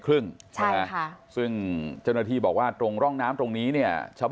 ซึ่งเจ้าหน้าที่บอกว่าตรงร่องน้ำตรงนี้เนี่ย